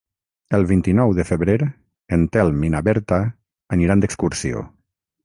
El vint-i-nou de febrer en Telm i na Berta aniran d'excursió.